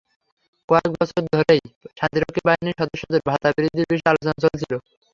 কয়েক বছর ধরেই শান্তিরক্ষী বাহিনীর সদস্যদের ভাতা বৃদ্ধির বিষয়ে আলোচনা চলছিল।